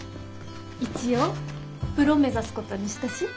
一応プロ目指すことにしたし。